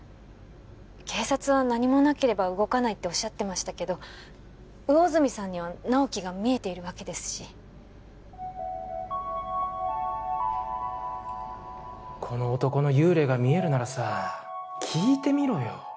警察は何もなければ動かないっておっしゃってましたけど魚住さんには直木が見えているわけですしこの男の幽霊が見えるならさ聞いてみろよ